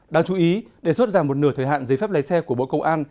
đáng chú ý đề xuất giảm một nửa thời hạn giấy phép lấy xe của bộ công an